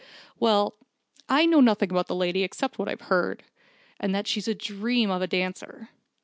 "Well, I know nothing about the lady except what I've heard and that she's a dream of a dancer.